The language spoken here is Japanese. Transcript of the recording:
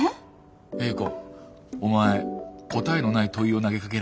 詠子お前答えのない問いを投げかけられてるのか？